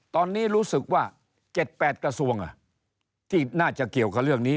ตอนนี้รู้สึกว่า๗๘กระทรวงที่น่าจะเกี่ยวกับเรื่องนี้